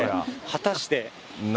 果たして？